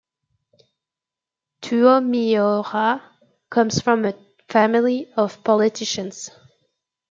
Tuomioja comes from a family of politicians.